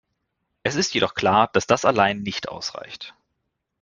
Es ist jedoch klar, dass das allein nicht ausreicht.